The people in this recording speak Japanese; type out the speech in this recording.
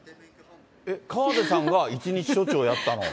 河出さんが一日署長をやったの？